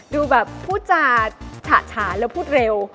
ดูแบบพูดจาฉะฉานแล้วพูดเร็ว